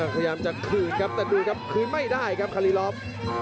พยายามจะคืนครับแต่ดูครับคืนไม่ได้ครับคารีล้อม